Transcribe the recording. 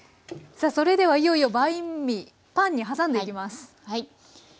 さあそれではいよいよバインミーパンに挟んでいきます。